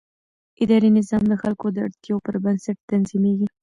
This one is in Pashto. اداري نظام د خلکو د اړتیاوو پر بنسټ تنظیمېږي.